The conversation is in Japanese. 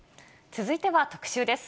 続いては特集です。